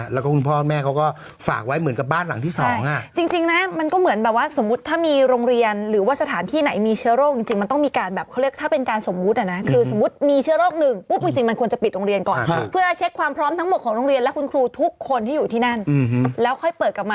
แล้วก็คุณพ่อแม่เขาก็ฝากไว้เหมือนกับบ้านหลังที่๒จริงนะมันก็เหมือนแบบว่าสมมุติถ้ามีโรงเรียนหรือว่าสถานที่ไหนมีเชื้อโรคจริงมันต้องมีการแบบเขาเรียกถ้าเป็นการสมมุตินะคือสมมุติมีเชื้อโรคหนึ่งปุ๊บจริงมันควรจะปิดโรงเรียนก่อนเพื่อเช็คความพร้อมทั้งหมดของโร